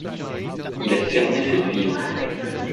Il a cerné cette ville.